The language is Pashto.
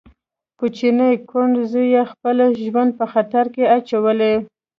کوچني کوڼ زوی يې خپل ژوند په خطر کې اچولی.